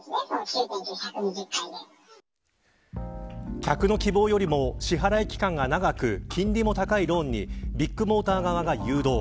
客の希望よりも支払い期間が長く金利も高いローンにビッグモーター側が誘導。